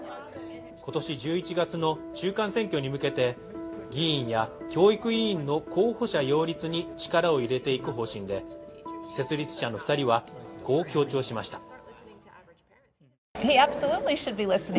今年１１月の中間選挙に向けて、議員や教育委員の候補者擁立に力を入れていく方針で設立者の２人は、こう強調しました。